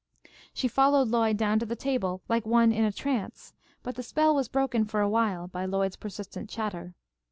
She followed Lloyd down to the table like one in a trance, but the spell was broken for awhile by Lloyd's persistent chatter.